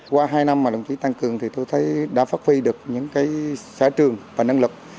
qua hai năm mà đồng chí tăng cường thì tôi thấy đã phát huy được những cái xã trường và năng lực